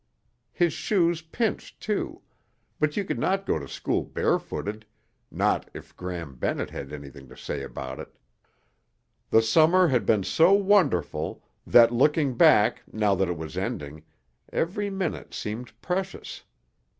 His shoes pinched, too, but you could not go to school barefooted, not if Gram Bennett had anything to say about it. The summer had been so wonderful that, looking back now that it was ending, every minute seemed precious.